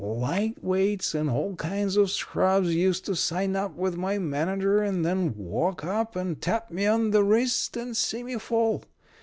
Light weights and all kinds of scrubs used to sign up with my manager and then walk up and tap me on the wrist and see me fall.